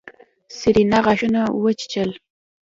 سېرېنا غاښونه وچيچل.